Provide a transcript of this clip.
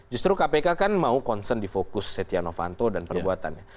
justru kpk kan mau concern di fokus setia novanto dan perbuatannya